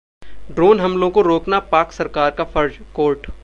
drone हमलों को रोकना पाक सरकार का फर्ज: कोर्ट